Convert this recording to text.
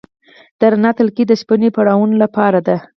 د رڼا تلکې د شپنۍ پروانو لپاره دي؟